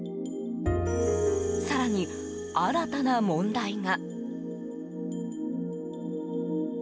更に新たな問題が。